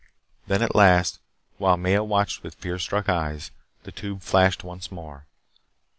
Then, at last, while Maya watched with fear struck eyes, the tube flashed once more.